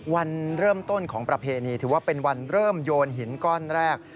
วันเริ่มต้นของประเพณีถือว่าเป็นวันเริ่มโยนหินก้อนแรก